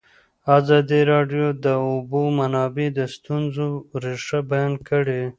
ازادي راډیو د د اوبو منابع د ستونزو رېښه بیان کړې.